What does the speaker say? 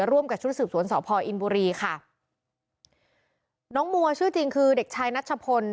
ร่วมกับชุดสืบสวนสพอินบุรีค่ะน้องมัวชื่อจริงคือเด็กชายนัชพล